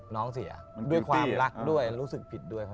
น้องเสียด้วยความรักด้วยรู้สึกผิดด้วย